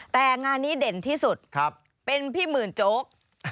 แต่งานนี้เด่นที่สุดเป็นพี่หมื่นโจ๊ก